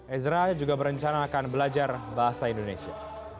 ezra juga berencana akan belajar bahasa indonesia